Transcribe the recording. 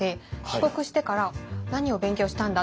帰国してから「何を勉強したんだ？」。